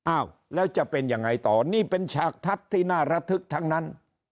อ้าวแล้วจะเป็นยังไงต่อนี่เป็นฉากทัศน์ที่น่าระทึกทั้งนั้น